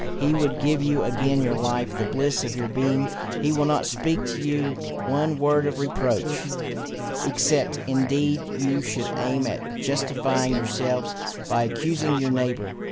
He would give you again your life, the bliss of your being. He will not speak to you one word of reproach, except indeed you should aim at justifying yourselves by accusing your neighbour.